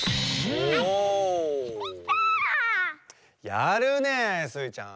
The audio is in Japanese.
やるねえスイちゃん。